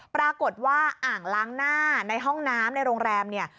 ปรากฏว่าอ่างล้างหน้าในห้องน้ำในโรงแรมเนี่ย